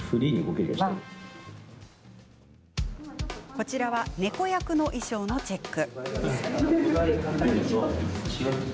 こちらは、猫役の衣装のチェック。